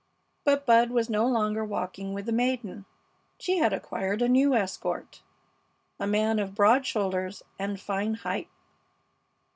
But Bud was no longer walking with the maiden. She had acquired a new escort, a man of broad shoulders and fine height.